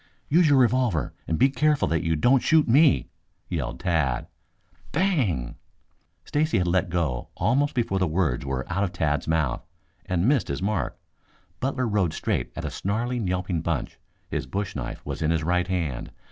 "Use your revolver and be careful that you don't shoot me," yelled Tad. Bang! Stacy had let go almost before the words were out of Tad's mouth and missed his mark. Butler rode straight at a snarling, yelping bunch. His bush knife was in his right hand.